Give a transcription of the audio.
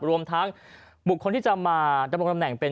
รวมทั้งบุคคลที่จะมาดำรงตำแหน่งเป็น